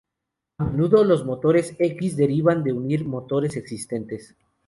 A menudo, los motores X derivan de unir motores existentes.